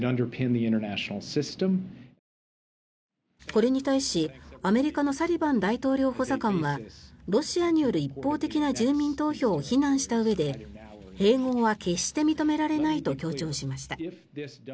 これに対し、アメリカのサリバン大統領補佐官はロシアによる一方的な住民投票を非難したうえで併合は決して認められないと強調しました。